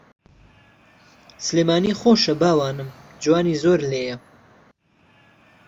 سلێمانی خۆشە باوانم جوانی زۆر لێیە